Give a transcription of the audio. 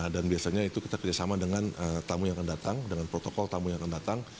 dan biasanya itu kita kerjasama dengan tamu yang akan datang dengan protokol tamu yang akan datang